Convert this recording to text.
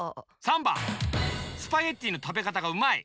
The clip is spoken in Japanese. ３ばんスパゲッティのたべかたがうまい！